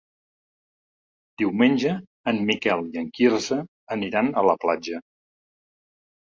Diumenge en Miquel i en Quirze aniran a la platja.